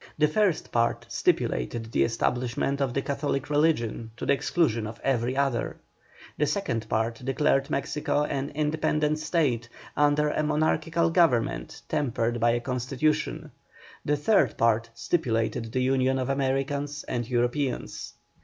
The first part stipulated the establishment of the Catholic religion to the exclusion of every other; the second part declared Mexico an independent state, under a monarchical government tempered by a constitution; the third part stipulated the union of Americans and Europeans.